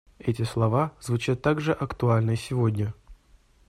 Эти слова звучат так же актуально и сегодня.